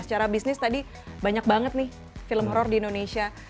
secara bisnis tadi banyak banget nih film horror di indonesia